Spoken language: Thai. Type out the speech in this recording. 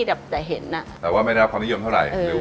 ซ้ายนี่ก็ไม่ได้พอน้อยยอมเท่าไหร่